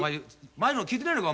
前の聞いてねえのか？